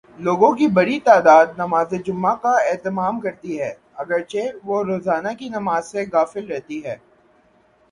لوگوں کی بڑی تعداد نمازجمعہ کا اہتمام کرتی ہے، اگر چہ وہ روزانہ کی نماز سے غافل رہتی ہے۔